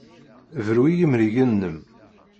Bru i yimrigen-nnem!